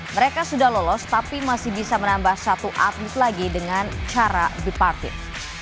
mereka sudah lolos tapi masih bisa menambah satu atlet lagi dengan cara bipartit